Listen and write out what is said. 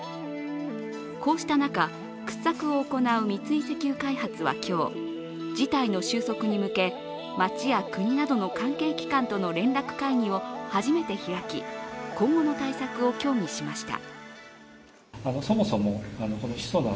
こうした中、掘削を行う三井石油開発は今日、事態の収束に向け街や国などの関係機関との連絡会議を初めて開き、今後の対策を協議しました。